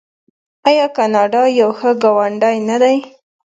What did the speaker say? آیا کاناډا یو ښه ګاونډی نه دی؟